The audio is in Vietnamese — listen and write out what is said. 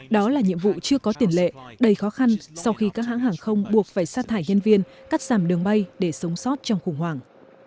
đó là nhiệm vụ chưa có tiền lệ đầy khó khăn sau khi các hãng hàng không buộc phải sát thải nhân viên cắt giảm đường bay để sống sót trong khủng hoảng